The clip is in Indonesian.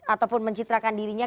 ataupun mencitrakan dirinya